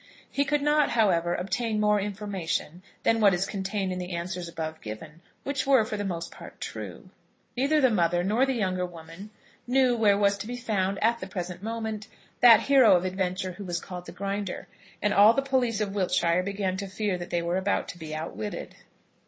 He could not, however, obtain more information than what is contained in the answers above given, which were, for the most part, true. Neither the mother nor the younger woman knew where was to be found, at the present moment, that hero of adventure who was called the Grinder, and all the police of Wiltshire began to fear that they were about to be outwitted.